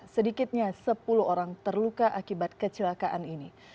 sedikitnya sepuluh orang terluka akibat kecelakaan ini